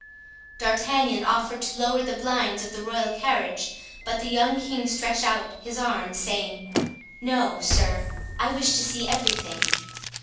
D'Artagnan offered to lower the blinds of the royal carriage, but the young king stretched out his arm, saying: "No, sir! I wish to see everything."